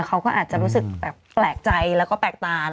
เขาก็อาจจะรู้สึกแปลกใจแล้วก็แปลกตา